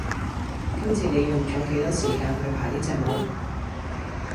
今次你用咗幾多時間去排呢隻舞￼